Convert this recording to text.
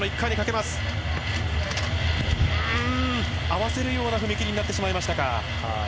合わせるような踏み切りになってしまいましたか。